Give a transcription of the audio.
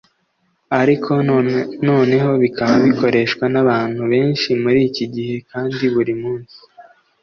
ariko noneho bikaba bikoreshwa n'abantu benshi muri iki gihe kandi buri munsi